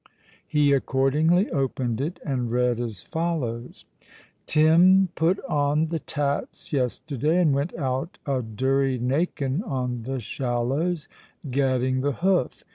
He accordingly opened it, and read as follows:— "Tim put on the tats yesterday and went out a durry nakin on the shallows, gadding the hoof.